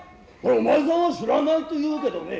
お前さんは知らないと言うけどね